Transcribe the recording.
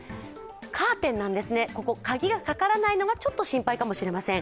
カーテンは鍵がかからないのがちょっと心配かもしれません。